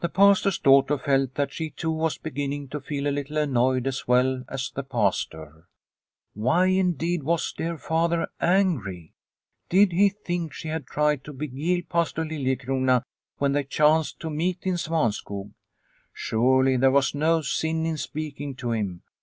The Pastor's daughter felt that she too was beginning to feel a little annoyed as well as the Pastor. Why, indeed, was dear father angry ? Did he think she had tried to beguile Pastor Liliecrona when they chanced to meet in Svanskog ? Surely there was no sin in speaking to him